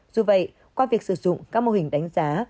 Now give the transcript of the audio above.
dù vậy qua việc sử dụng các mô hình đánh giá